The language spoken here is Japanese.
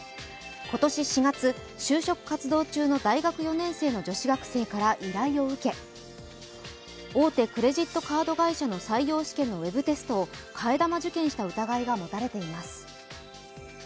今年４月、就職活動中の大学４年生の女子学生から依頼を受け大手クレジットカード会社の採用試験のウェブテストを替え玉受検した疑いが持たれています。